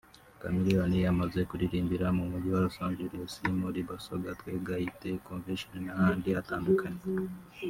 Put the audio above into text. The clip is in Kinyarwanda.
Chameleone yamaze kuririmbira mu mujyi wa Los Angeless muri Basoga Twegaite Convention n’ahandi hatandukanye